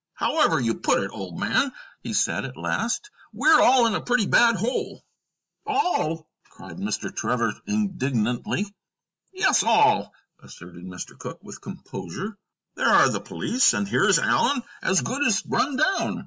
"However you put it, old man," he said at last, "we're all in a pretty bad hole." "All!" cried Mr. Trevor, indignantly. "Yes, all," asserted Mr. Cooke, with composure. "There are the police, and here is Allen as good as run down.